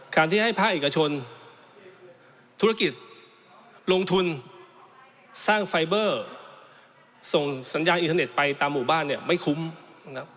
การที่ให้ภาคเอกชนธุรกิจลงทุนสร้างไฟเบอร์ส่งสัญญาณอินเทอร์เน็ตไปตามหมู่บ้านเนี่ยไม่คุ้มนะครับ